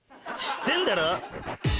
知ってんだろ？